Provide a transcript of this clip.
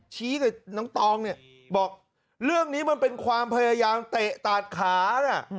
ชี้กับน้องตองบอกเรื่องนี้มันเป็นความพยายามเตะตาดขา